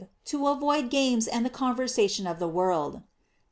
To avoid games and the con versation of the world.